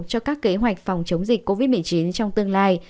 cho các kế hoạch phòng chống dịch covid một mươi chín trong tương lai